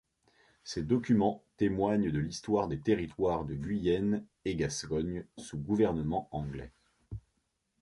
Ces documents témoignent de l'histoire des territoires de Guyenne et Gascogne sous gouvernement anglais.